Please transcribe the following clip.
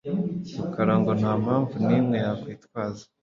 Rukara ngo nta mpamvu nimwe yakwitwaza.